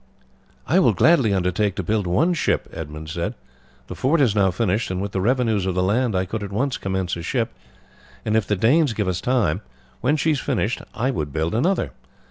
"I will gladly undertake to build one ship," Edmund said. "The fort is now finished, and with the revenues of the land I could at once commence a ship; and if the Danes give us time, when she is finished I would build another.